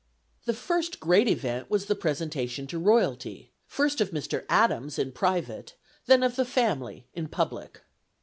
The first great event was the presentation to Royalty, first of Mr. Adams in private, then of the family, in public.